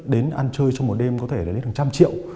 đến ăn chơi trong một đêm có thể lên một trăm linh triệu